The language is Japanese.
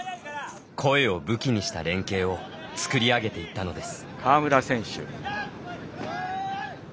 声を武器にした連係をつくり上げていったのです。